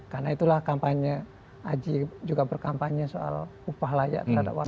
karena itulah kampanye aji juga berkampanye soal upah layak terhadap wartawan